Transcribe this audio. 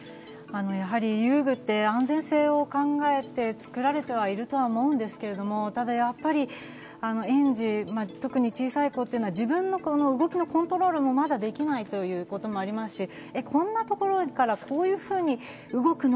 やはり遊具って安全性を考えて作られているとは思うんですけれども、ただやっぱり、園児、特に小さい子っていうのは自分の動きのコントロールもまだできないということもありますし、こんなところから、こんなふうに動くの？